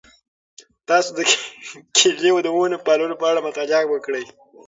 تاسو د کیلې د ونو د پاللو په اړه مطالعه وکړئ.